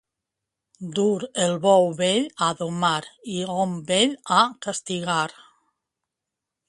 Dur el bou vell a domar i hom vell a castigar.